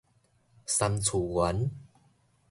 三次元